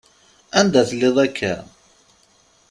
Anda telliḍ akka?